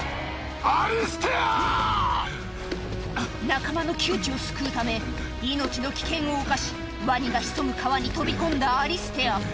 仲間の窮地を救うため命の危険を冒しワニが潜む川に飛び込んだアリステア